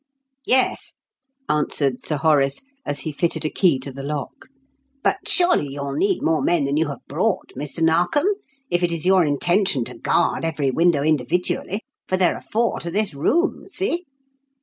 "Yes," answered Sir Horace, as he fitted a key to the lock. "But surely you will need more men than you have brought, Mr. Narkom, if it is your intention to guard every window individually, for there are four to this room see!"